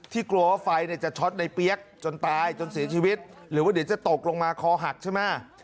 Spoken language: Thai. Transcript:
กลัวว่าไฟจะช็อตในเปี๊ยกจนตายจนเสียชีวิตหรือว่าเดี๋ยวจะตกลงมาคอหักใช่ไหม